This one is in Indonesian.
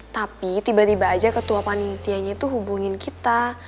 tapi tiba tiba aja ketua panitianya itu hubungin kita